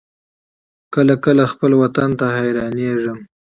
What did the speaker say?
کله کله خپل وطن ته حيرانېږم.